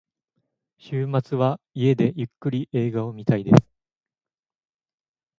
週末は家でゆっくり映画を見たいです。